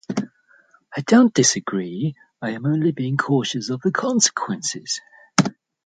I don't disagree, I am only being cautious of the consequences.